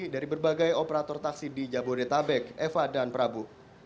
dari berbagai operator taksi di jabodetabek eva dan prabu